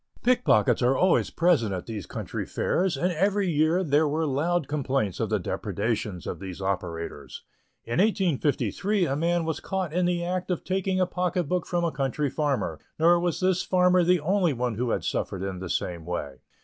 Pickpockets are always present at these country fairs, and every year there were loud complaints of the depredations of these operators. In 1853 a man was caught in the act of taking a pocket book from a country farmer, nor was this farmer the only one who had suffered in the same way.